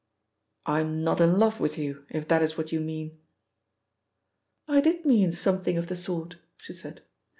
"I'm not in love with you, if that is what you mean." "I did mean something of the sort," she said.